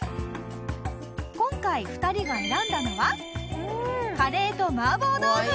今回２人が選んだのはカレーと麻婆豆腐。